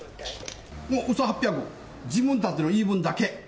もう嘘八百、自分たちの言い分だけ。